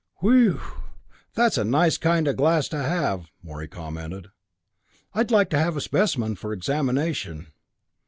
"Whewww that's a nice kind of glass to have!" Morey commented. "I'd like to have a specimen for examination.